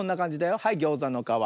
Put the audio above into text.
はいギョーザのかわ。